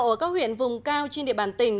ở các huyện vùng cao trên địa bàn tỉnh